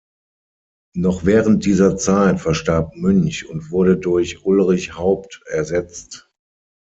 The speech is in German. Noch während dieser Zeit verstarb Münch und wurde durch Ullrich Haupt ersetzt.